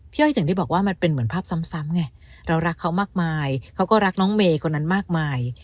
อ้อยถึงได้บอกว่ามันเป็นเหมือนภาพซ้ำไงเรารักเขามากมายเขาก็รักน้องเมย์คนนั้นมากมาย